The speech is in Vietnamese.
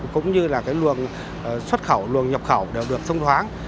cũng như là luồng xuất khẩu luồng nhập khẩu đều được thông thoáng